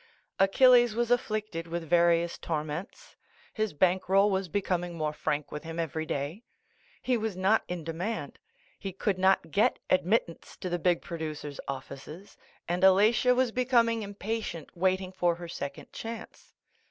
Achilles was afflicted with various tor ments. His bank roll was becoming more frank with him every day. He was not in demand. He could not get admittance to the big producers' offices and Alatia was becoming impatient waiting for her second chance.